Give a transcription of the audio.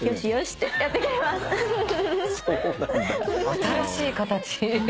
・新しい形。